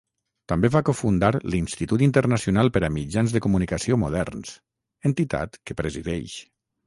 També va cofundar l'Institut Internacional per a Mitjans de Comunicació Moderns, entitat que presideix.